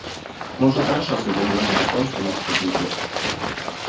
Мы уже хорошо осведомлены о том, что нам следует делать.